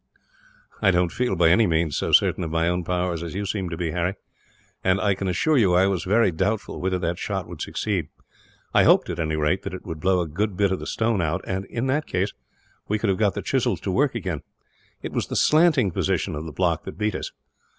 "I don't feel, by any means, so certain of my own powers as you seem to be, Harry; and I can assure you I was very doubtful whether that shot would succeed. I hoped, at any rate, that it would blow a good bit of the stone out and, in that case, we could have got the chisels to work again. It was the slanting position of the block that beat us.